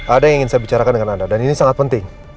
ada yang ingin saya bicarakan dengan anda dan ini sangat penting